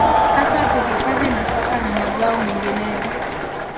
hasa kuhifadhi nafaka na mazao mengineyo